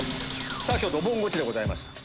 今日ドボンゴチでございました。